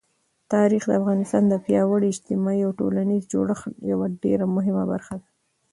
تاریخ د افغانستان د پیاوړي اجتماعي او ټولنیز جوړښت یوه ډېره مهمه برخه ده.